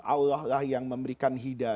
allah lah yang memberikan hidaya